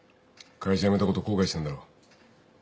会社辞めたこと後悔してんだろ。